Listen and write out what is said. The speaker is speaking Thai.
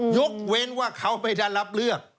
ยกเว้นว่าเขาไม่ได้รับเลือก